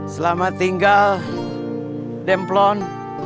selama tinggal demplon